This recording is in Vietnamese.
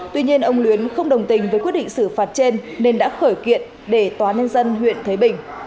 tuy nhiên ông luyến không đồng tình với quyết định xử phạt trên nên đã khởi kiện để tòa nhân dân huyện thới bình